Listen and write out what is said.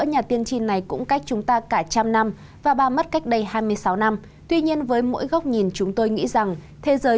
hẹn gặp lại